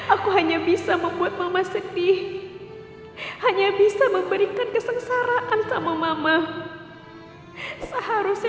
aku hanya bisa membuat mama sedih hanya bisa memberikan kesengsaraan sama mama seharusnya